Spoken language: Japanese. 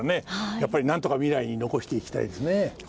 やっぱりなんとか未来に残していきたいですね。